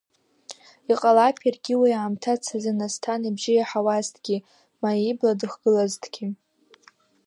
Иҟалап иаргьы уи аамҭац азын Асҭан ибжьы иаҳауазҭгьы, ма ибла дыхгылазҭгьы.